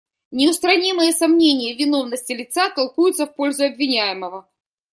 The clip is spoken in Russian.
Неустранимые сомнения в виновности лица толкуются в пользу обвиняемого.